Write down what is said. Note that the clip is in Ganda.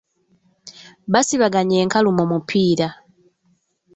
Basibaganye enkalu mu mupiira.